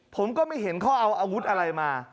ผมก็ไม่เห็นเขาเอาอาวุธอะไรมา